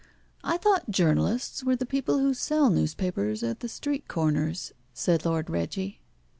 "I thought journalists were the people who sell newspapers at the street corners," said Lord Reggie.